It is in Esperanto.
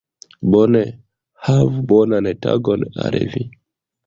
Bone, havu bonan tagon al vi